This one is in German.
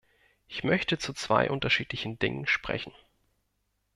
Ich möchte zu zwei unterschiedlichen Dingen sprechen.